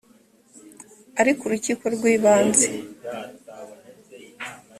ariko urukiko rw ibanze